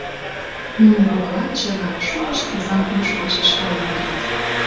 Нунын кокла гыч эрла шукышт озан ойжо почеш каен кертыт.